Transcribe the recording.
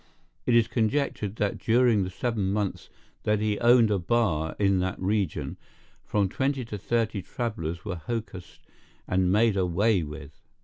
It is conjectured that during the seven months that he owned a bar in that region, from twenty to thirty travelers were hocussed and made away with.